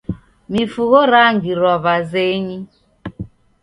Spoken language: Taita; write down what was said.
Mifugho rangirwa w'azenyi.